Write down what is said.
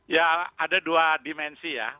ya ada dua dimensi ya